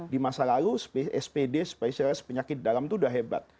di masa lalu spd spesialis penyakit dalam itu sudah hebat